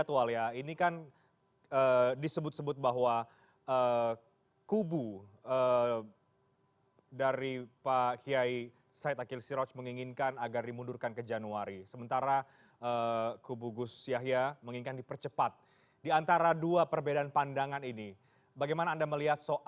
untuk terus berkhidmat